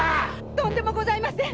とんでもございません‼